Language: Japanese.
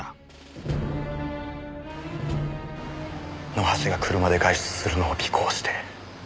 野橋が車で外出するのを尾行して。